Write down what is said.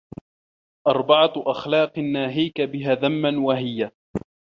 أَرْبَعَةُ أَخْلَاقٍ نَاهِيكَ بِهَا ذَمًّا وَهِيَ